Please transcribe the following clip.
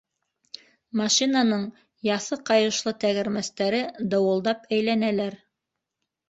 Машинаның яҫы ҡайышлы тәгәрмәстәре дыуылдап әйләнәләр.